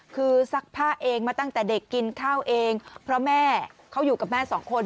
คือซักผ้าเองมาตั้งแต่เด็กกินข้าวเองเพราะแม่เขาอยู่กับแม่สองคน